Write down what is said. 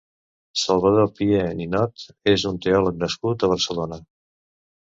Salvador Pié Ninot és un teòleg nascut a Barcelona.